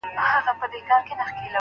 اتڼ د ږدن په پټي کي له ډاره ړنګیږي.